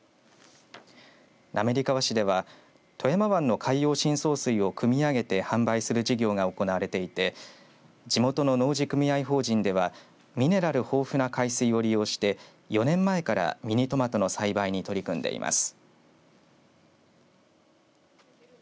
滑川市で富山湾の海洋深層水をくみ上げて販売する事業が行われていて地元の農事組合法人ではミネラル豊富な海水を利用して４年前からミニトマトの栽培に取り組んでいます。